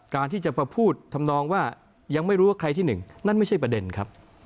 การที่จะมาพูดทำนองว่ายังไม่รู้ว่าใครที่หนึ่งนั่นไม่ใช่ประเด็นครับ